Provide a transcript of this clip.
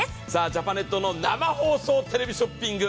ジャパネットの生放送テレビショッピング。